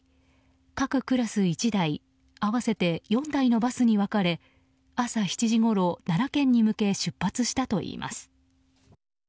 各クラス１台合わせて４台のバスに分かれ朝７時ごろ、奈良県に向け出発したといいます。